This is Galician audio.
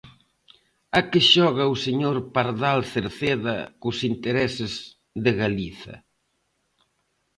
¿A que xoga o señor Pardal Cerceda cos intereses de Galiza?